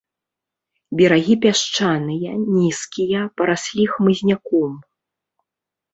Берагі пясчаныя, нізкія, параслі хмызняком.